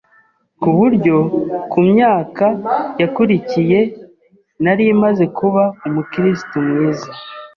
ku buryo ku myaka yakurikiye nari maze kuba umukrito mwiza